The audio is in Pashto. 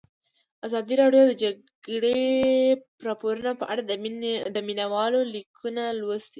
ازادي راډیو د د جګړې راپورونه په اړه د مینه والو لیکونه لوستي.